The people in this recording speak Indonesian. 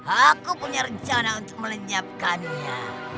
aku punya rencana untuk melenyapkannya